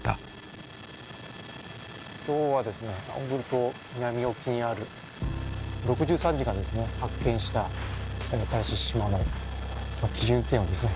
今日はですねオングル島南沖にある６３次がですね発見した新しい島を基準点をですね